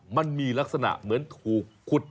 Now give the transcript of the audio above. มันมีลักษณะเหมือนถูกขุด